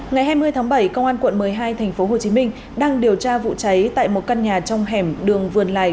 ngày hai mươi tháng bảy công an quận một mươi hai tp hcm đang điều tra vụ cháy tại một căn nhà trong hẻm đường vườn lài